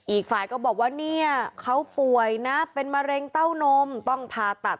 อีกฝ่ายก็บอกว่าเนี่ยเขาป่วยนะเป็นมะเร็งเต้านมต้องผ่าตัด